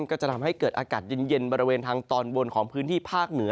ก็จะทำให้เกิดอากาศเย็นบริเวณทางตอนบนของพื้นที่ภาคเหนือ